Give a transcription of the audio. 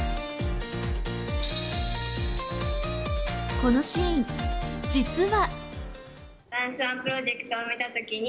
このシーン実は。